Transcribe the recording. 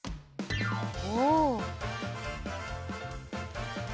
お。